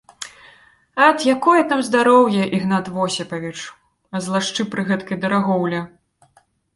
— Ат, якое там здароўе, Ігнат Восіпавіч, — а злашчы пры гэткай дарагоўлі.